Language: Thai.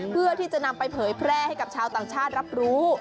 เพื่อที่จะนำไปเผยแพร่ให้กับชาวต่างชาติรับรู้